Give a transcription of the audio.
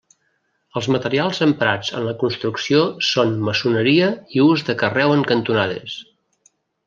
Els materials emprats en la construcció són maçoneria i ús de carreu en cantonades.